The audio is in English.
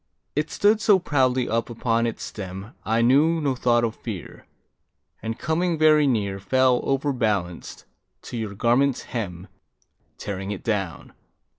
It stood so proudly up upon its stem, I knew no thought of fear, And coming very near Fell, overbalanced, to your garment's hem, Tearing it down.